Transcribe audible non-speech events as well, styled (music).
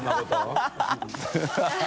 ハハハ (laughs)